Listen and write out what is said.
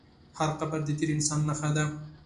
هر قبر د تېر انسان نښه ده.